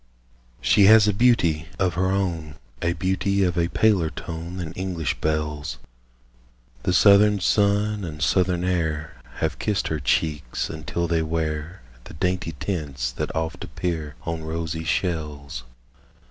She has a beauty of her own, A beauty of a paler tone Than English belles; Yet southern sun and southern air Have kissed her cheeks, until they wear The dainty tints that oft appear On rosy shells.